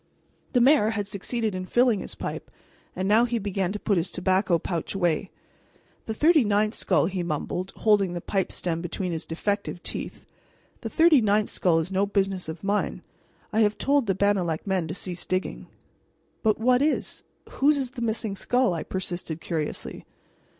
The mayor had succeeded in filling his pipe, and now he began to put his tobacco pouch away. "The thirty ninth skull," he mumbled, holding the pipe stem between his defective teeth "the thirty ninth skull is no business of mine. I have told the Bannalec men to cease digging." "But what is whose is the missing skull?" I persisted curiously.